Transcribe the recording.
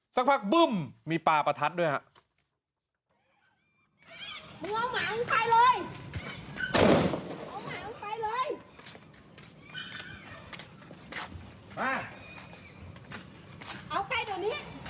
สักพักบึ้มมีปลาประทัดด้วยครับ